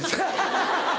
アハハハ！